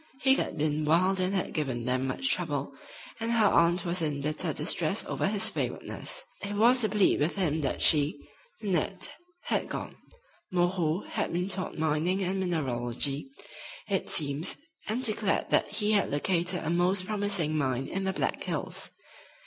He had been wild and had given them much trouble, and her aunt was in bitter distress over his waywardness. It was to plead with him that she, Nanette, had gone. "Moreau" had been taught mining and mineralogy, it seems, and declared that he had "located" a most promising mine in the Black Hills.